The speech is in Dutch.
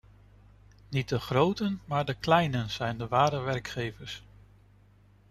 Niet de groten, maar de kleinen zijn de ware werkgevers!